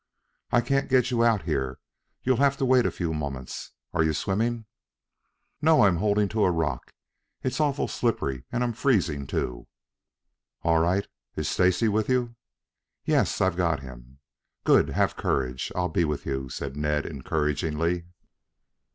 "I can't get you out here. You'll have to wait a few moments. Are you swimming?" "No, I am holding to a rock. It's awful slippery and I'm freezing too." "All right. Is Stacy with you?" "Yes, I've got him." "Good! Have courage! I'll be with you," said Ned encouragingly.